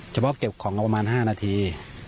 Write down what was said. เฉพาะเก็บของเราประมาณ๕นาที